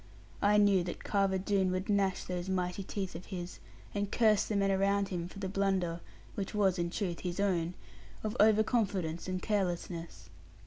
I knew that Carver Doone would gnash those mighty teeth of his, and curse the men around him, for the blunder (which was in truth his own) of over confidence and carelessness.